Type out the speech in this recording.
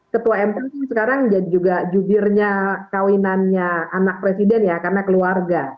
ketua mk sekarang juga judirnya kawinannya anak presiden ya karena keluarga